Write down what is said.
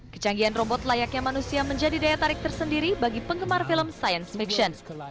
kecanggihan robot layaknya manusia menjadi daya tarik tersendiri bagi penggemar film science mictions